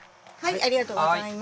ありがとうございます。